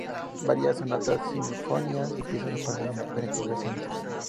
Varias sonatas, sinfonías y piezas aparecen en diferentes versiones.